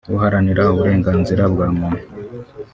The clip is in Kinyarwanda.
Uharanira uburenganzira bwa muntu